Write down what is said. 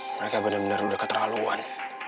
mereka bener bener udah keterlaluan